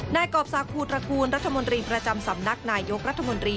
กรอบศักดิภูตระกูลรัฐมนตรีประจำสำนักนายยกรัฐมนตรี